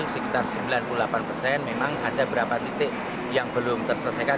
sekitar sembilan puluh delapan persen memang ada beberapa titik yang belum terselesaikan